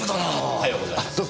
おはようございます。